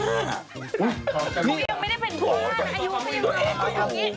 โอ๊ยเขายังไม่ได้เป็นพ่ออายุเขายังไม่เบา